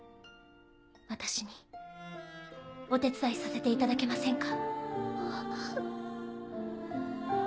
私にお手伝いさせていただけませんか？